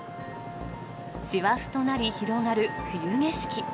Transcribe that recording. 師走となり広がる冬景色。